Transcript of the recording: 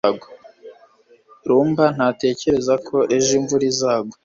rugamba ntatekereza ko ejo imvura izagwa